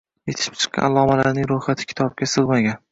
Yetishib chiqqan allomalarning ro‘yxati kitobga sig‘magan.